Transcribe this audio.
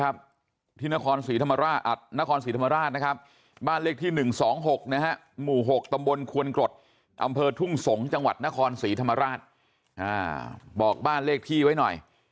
บอกบ้านเลขที่ไว้หน่อย